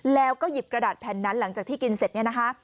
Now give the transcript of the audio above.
แล้วก็หยิบกระดาษแผ่นนั้นหลังจากที่กินเสร็จ